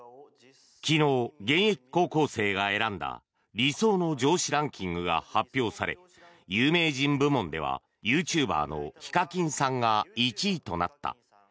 昨日、現役高校生が選んだ理想の上司ランキングが発表され有名人部門ではユーチューバーのＨＩＫＡＫＩＮさんが１位となった。